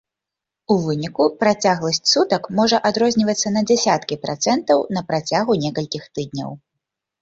У выніку працягласць сутак можа адрознівацца на дзясяткі працэнтаў на працягу некалькіх тыдняў.